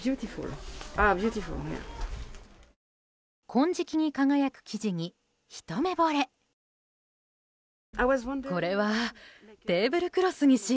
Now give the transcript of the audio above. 金色に輝く生地にひと目ぼれ。